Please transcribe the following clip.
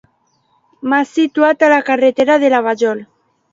Mas situat a la carretera de la Vajol.